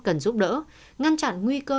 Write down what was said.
cần giúp đỡ ngăn chặn nguy cơ